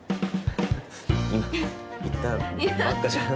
今言ったばっかじゃん。